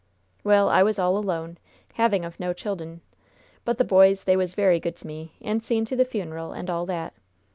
"Well, I was all alone, having of no child'en. But the boys they was very good to me, and seen to the funeral and all that.